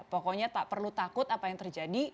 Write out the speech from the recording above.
pokoknya tak perlu takut apa yang terjadi